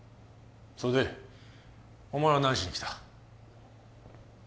それでお前は何しに来た？